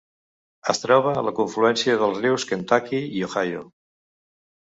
Es troba a la confluència dels rius Kentucky i Ohio.